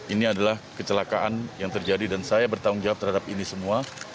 ini adalah kecelakaan yang terjadi dan saya bertanggung jawab terhadap ini semua